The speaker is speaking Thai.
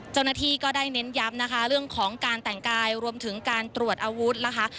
เจ้าหน้าที่ก็ได้เน้นย้ำนะคะเรื่องของการแต่งกายรวมถึงการตรวจอาวุธนะคะ